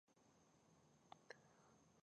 ګاز د افغانستان د بشري فرهنګ برخه ده.